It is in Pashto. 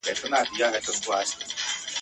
خو په منځ کي دا یو سوال زه هم لرمه !.